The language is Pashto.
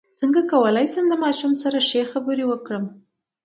څنګه کولی شم د ماشومانو سره ښه خبرې وکړم